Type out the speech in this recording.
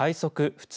・普通